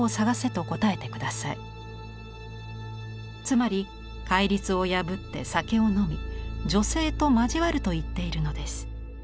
つまり戒律を破って酒を飲み女性と交わると言っているのです。